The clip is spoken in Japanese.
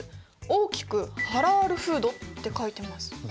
大きく「ハラールフード」って書いてます。